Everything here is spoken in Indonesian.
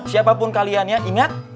siapapun kalian ya ingat